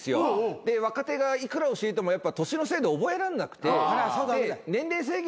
で若手がいくら教えても年のせいで覚えらんなくてで年齢制限